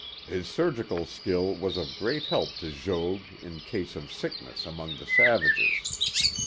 His surgical skill was of great help to Jogues in case of sickness among the savages.